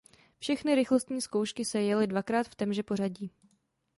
Všechny rychlostní zkoušky se jely dvakrát v témže pořadí.